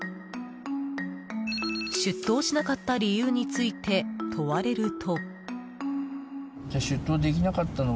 出頭しなかった理由について問われると。